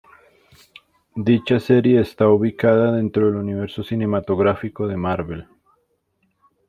Dicha serie está ubicada dentro del Universo cinematográfico de Marvel.